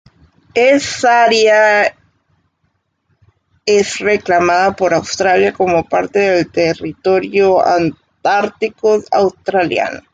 Es área es reclamada por Australia como parte del Territorio Antártico Australiano.